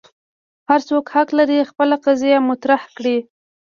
هر څوک حق لري خپل قضیه مطرح کړي.